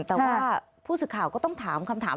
แต่ว่าผู้สื่อข่าวก็ต้องถามคำถาม